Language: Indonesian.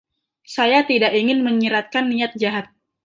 Saya tidak ingin menyiratkan niat jahat.